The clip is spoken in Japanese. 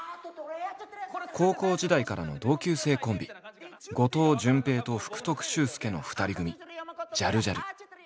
高校時代からの同級生コンビ後藤淳平と福徳秀介の二人組ジャルジャル。